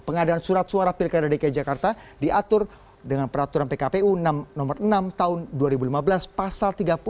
pengadaan surat suara pilkada dki jakarta diatur dengan peraturan pkpu nomor enam tahun dua ribu lima belas pasal tiga puluh